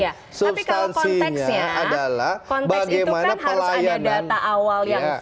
tapi kalau konteksnya adalah bagaimana pelayanan